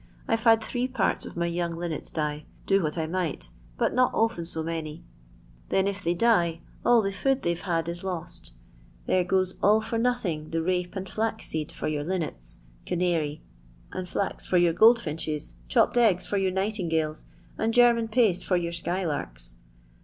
I 've had three parts 'young linnets die, do what I might, but MB to many. Then if they die all the food ra had is lost. There goes all for nothing pt and flax seed for your linnets, canary and V your goldfinches, chopped eggs for your Dgales, and German paste for your sky larks.